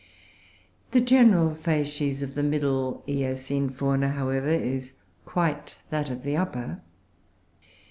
The general facies of the Middle Eocene Fauna, however, is quite that of the Upper.